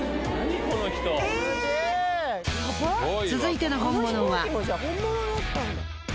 続いての本物は。